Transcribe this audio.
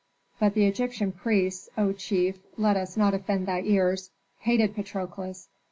"But the Egyptian priests, O chief, let this not offend thy ears hated Patrokles.